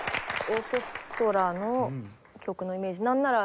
オーケストラの曲のイメージなんなら